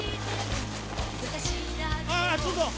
あぁちょっと！